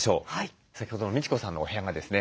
先ほどのみち子さんのお部屋がですね